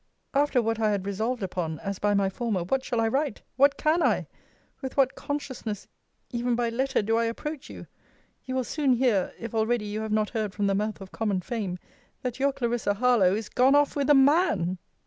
After what I had resolved upon, as by my former, what shall I write? what can I? with what consciousness, even by letter, do I approach you? You will soon hear (if already you have not heard from the mouth of common fame) that your Clarissa Harlowe is gone off with a man!